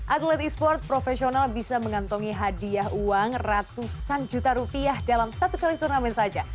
atlet e sport profesional bisa mengantongi hadiah uang ratusan juta rupiah dalam satu kali turnamen saja